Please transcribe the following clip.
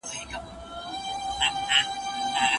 وئيل ئې دلته واړه د غالب طرفداران دي